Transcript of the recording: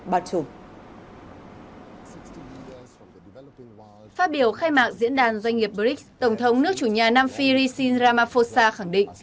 phát biểu khai mạc diễn đàn doanh nghiệp brics tổng thống nước chủ nhà nam phi rishin ramaphosa khẳng định